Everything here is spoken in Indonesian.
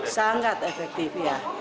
sangat efektif ya